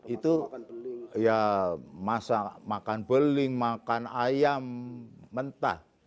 itu ya masak makan beling makan ayam mentah